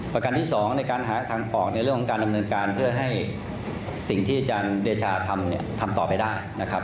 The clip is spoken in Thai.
ประกันที่๒ในการหาทางออกในเรื่องของการดำเนินการเพื่อให้สิ่งที่อาจารย์เดชาทำเนี่ยทำทำต่อไปได้นะครับ